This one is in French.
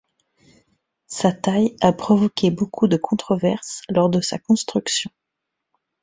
Sa taille a provoqué beaucoup de controverses lors de sa construction.